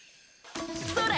それ！